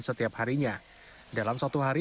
setiap harinya dalam satu hari